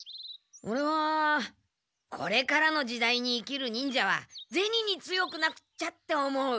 オレはこれからの時代に生きる忍者はゼニに強くなくっちゃって思う。